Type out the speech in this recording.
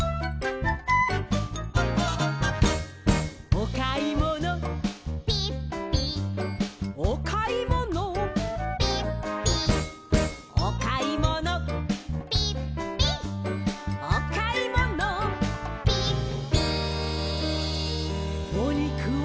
「おかいもの」「ピッピッ」「おかいもの」「ピッピッ」「おかいもの」「ピッピッ」「おかいもの」「ピッピー」「お肉を」